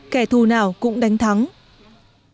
khó khăn nào cũng hoàn thành khó khăn nào cũng vượt qua